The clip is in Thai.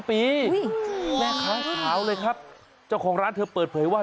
๒๓ปีแม่ขาวเลยครับจ้าของร้านเธอเปิดเผยว่า